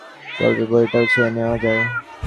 মেয়েটার কাছ থেকে অতিপ্রাকৃত গল্পের বইটাও চেয়ে নেয়া যায়।